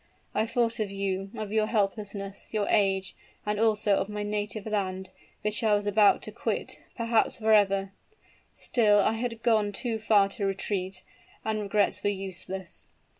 I thought of you of your helplessness your age, and also of my native land, which I was about to quit perhaps forever! Still I had gone too far to retreat, and regrets were useless.